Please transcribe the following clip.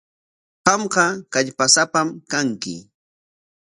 Qamqa kallpasapam kanki.